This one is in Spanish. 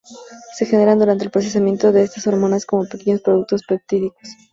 Se generan durante el procesamiento de estas hormonas como pequeños productos peptídicos.